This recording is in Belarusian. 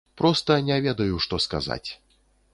Проста не ведаю, што сказаць.